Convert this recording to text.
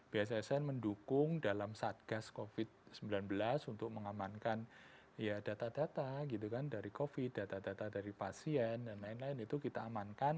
bssn mendukung dalam satgas covid sembilan belas untuk mengamankan data data gitu kan dari covid data data dari pasien dan lain lain itu kita amankan